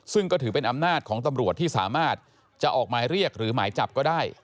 ซึ่งก็ถือเป็นอำนาจของตำรวจที่สามารถจะออกหมายเรียกหรือหมายจับก็ได้